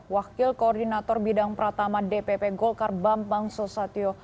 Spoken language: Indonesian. wakil koordinator bidang pratama dpp golkar bambang susatyo